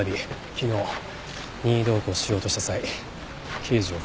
昨日任意同行しようとした際刑事を振り切って逃げました。